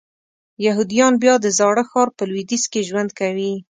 یهودیان بیا د زاړه ښار په لویدیځ کې ژوند کوي.